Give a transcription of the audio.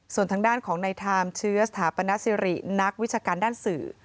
ส่วนทางด้านของในไทม์เชื้อสถาปนสิรินักวิชาการด้านสื่อ